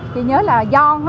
chị nhớ là do